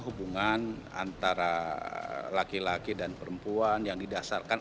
hubungan antara laki laki dan perempuan yang didasarkan